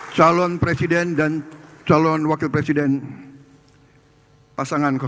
calon presiden dan calon wakil presiden pasangan satu